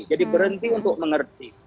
jadi berhenti untuk mengerti